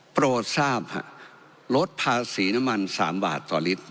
โปรดทราบลดภาษีน้ำมัน๓บาทต่อลิตร